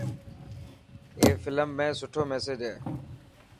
اي فلم ۾ سٺو ميسج هي.